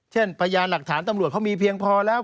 พยานหลักฐานตำรวจเขามีเพียงพอแล้ว